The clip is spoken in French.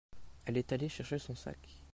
Elle est allée chercher son sac.